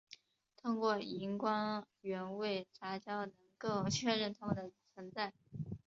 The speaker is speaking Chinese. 通过荧光原位杂交能够确认它们的存在。